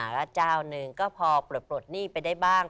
ว่าเจ้าหนึ่งก็พอปลดหนี้ไปได้บ้าง